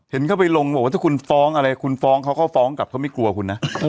เข้าไปลงบอกว่าถ้าคุณฟ้องอะไรคุณฟ้องเขาก็ฟ้องกลับเขาไม่กลัวคุณนะ